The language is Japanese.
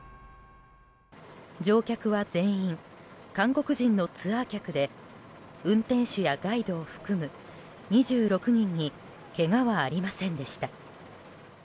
乗客は全員韓国人のツアー客で運転手やガイドを含む２６人にけがはありませんでした。